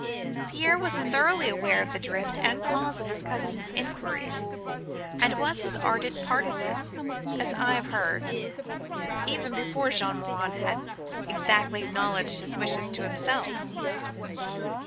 Pierre was thoroughly aware of the drift and cause of his cousin's inquiries; and was his ardent partisan, as I have heard, even before Jean Morin had exactly acknowledged his wishes to himself.